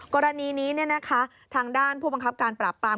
กรณีนี้ทางด้านผู้บังคับการปราบปราม